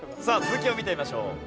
さあ続きを見てみましょう。